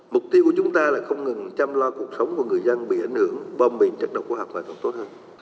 mục tiêu của chúng ta là không ngừng chăm lo cuộc sống của người dân bị ảnh hưởng bom mìn chất độc khoa học là còn tốt hơn